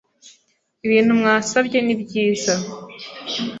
Ibintu mwasabye ni byiza